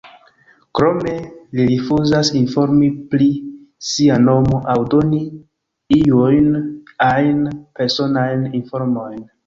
Krome, li rifuzas informi pri sia nomo aŭ doni iujn ajn personajn informojn.